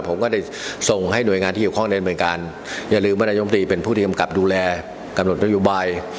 ผมก็ได้ส่งให้หน่วยงานที่เกี่ยวข้องในบริเวณการอย่าลืมว่านายมตรีเป็นผู้ที่กำกับดูแลกำหนดนโยบาย